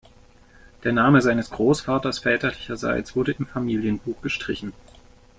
Der Name seines Großvaters väterlicherseits wurde im Familienbuch gestrichen.